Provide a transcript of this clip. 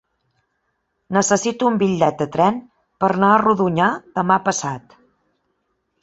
Necessito un bitllet de tren per anar a Rodonyà demà passat.